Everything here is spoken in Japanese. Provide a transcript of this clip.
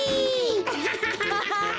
アハハハハハ！